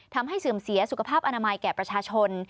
เสื่อมเสียสุขภาพอนามัยแก่ประชาชน